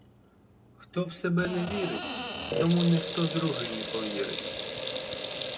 Хто в себе не вірить, тому ніхто другий не повірить.